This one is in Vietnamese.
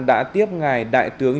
đã tiếp ngài đại tướng